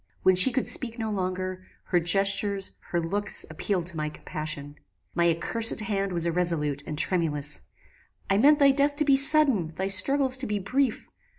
When she could speak no longer, her gestures, her looks appealed to my compassion. My accursed hand was irresolute and tremulous. I meant thy death to be sudden, thy struggles to be brief.